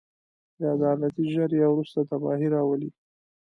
بې عدالتي ژر یا وروسته تباهي راولي.